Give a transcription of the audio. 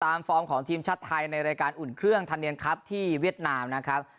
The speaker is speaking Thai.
ฟอร์มของทีมชาติไทยในรายการอุ่นเครื่องธันเนียนครับที่เวียดนามนะครับ